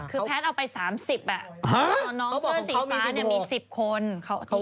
คือแพทย์เอาไป๓๐อะ